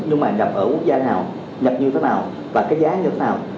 nhưng mà nhập ở quốc gia nào nhập như thế nào và cái giá như thế nào